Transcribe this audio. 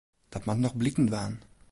Dat moat noch bliken dwaan.